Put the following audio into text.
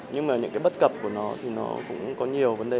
nhưng mà những cái bất cập của nó thì nó cũng có nhiều vấn đề